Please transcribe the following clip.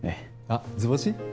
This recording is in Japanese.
あっ図星？